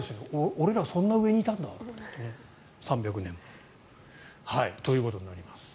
俺ら、そんなのの上にいたんだ３００年も。ということになります。